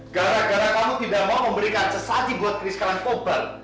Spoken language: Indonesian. gara gara kamu tidak mau memberikan sesati buat keris gk langkobar